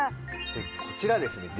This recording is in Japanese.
こちらですね